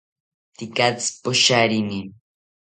Tekatzi pocharini